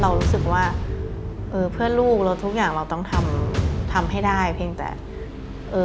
เรารู้สึกว่าเออเพื่อลูกแล้วทุกอย่างเราต้องทำทำให้ได้เพียงแต่เอ่อ